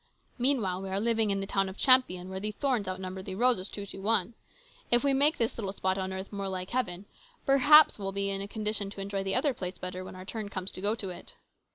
Meanwhile we are living in the town of Champion, where the thorns outnumber the roses two to one. If we make this little spot on earth more like heaven, perhaps we'll be in a condition to enjoy the other place better when our turn comes to go to it."